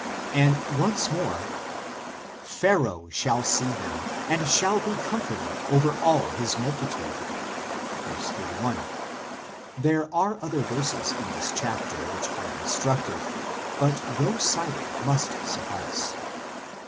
And once more :" Pharaoh shall see them, and shall be comforted over all his multitude " (verse 31). There are other verses in this chapter which are instructive, but those cited must suffice.